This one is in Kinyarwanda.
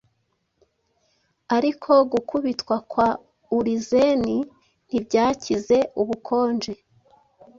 Ariko gukubitwa kwa Urizeni ntibyakize Ubukonje,